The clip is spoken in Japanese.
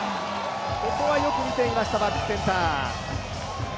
ここはよく見ていましたバックセンター。